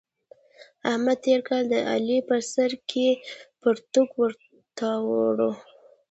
احمد تېر کال د علي په سر کې پرتوګ ور وتاړه.